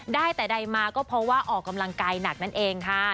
ได้แต่ใดมาก็เพราะว่าออกกำลังกายหนักนั่นเองค่ะ